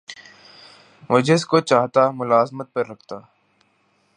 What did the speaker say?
وہ جس کو چاہتا ملازمت پر رکھتا